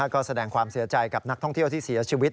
ก็แสดงความเสียใจกับนักท่องเที่ยวที่เสียชีวิต